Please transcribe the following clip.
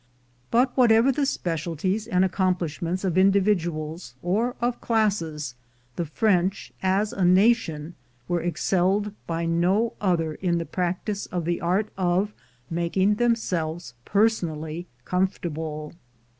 But whatever the specialties and accomplishments of individuals or of classes, the French, as a nation, were excelled by no other in the practice of the art of making themselves personally comfortable.